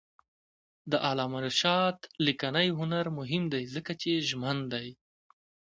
د علامه رشاد لیکنی هنر مهم دی ځکه چې ژمن دی.